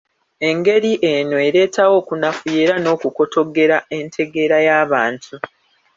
Engeri eno ereetawo okunafuya era n’okukotoggera entegeera y’abantu.